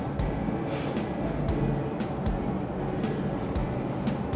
gue bersyukur banget